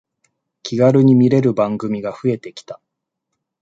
気軽に見れる番組が増えてきた